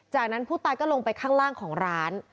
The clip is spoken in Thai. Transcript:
จากนั้นผู้ตายก็ลงไปข้างล่างของร้าน